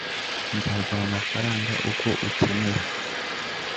nzaguha amafaranga uko ukeneye